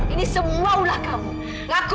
ini semua ulah kamu ngaku